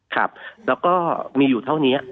ครับแล้วก็มีอยู่เท่านี้